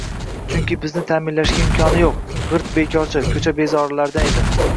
Chunki bizni ta'minlashga imkoni yo‘q, g‘irt bekorchi, ko‘cha bezorilardan edi